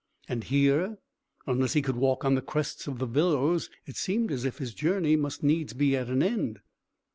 And here, unless he could walk on the crests of the billows, it seemed as if his journey must needs be at an end.